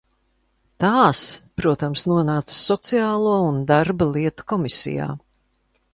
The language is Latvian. Tās, protams, nonāca Sociālo un darba lietu komisijā.